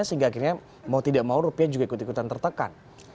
sehingga akhirnya mau tidak mau rupiah juga ikut ikutan tertekan